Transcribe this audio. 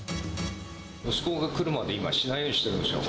息子が来るまで今、しないようにしてるんですよ。